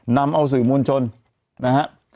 นำเอาสื่อมวลชนนะฮะ